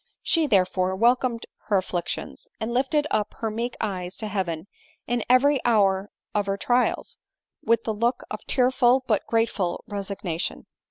She, therefore, welcomed her afflictions, and lifted up her meek eyes to heaven in every hour of her trials, with the look of tearful but grateful resignation.